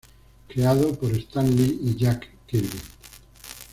Creado por Stan Lee y Jack Kirby.